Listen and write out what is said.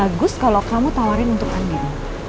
bagus kalau kamu tawarin untuk andin